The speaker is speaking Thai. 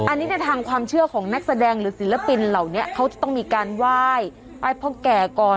อันนี้ในทางความเชื่อของนักแสดงหรือศิลปินเหล่านี้เขาจะต้องมีการไหว้ไหว้พ่อแก่ก่อน